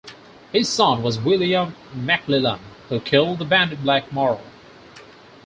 His son was William Maclellan, who killed the bandit Black Morrow.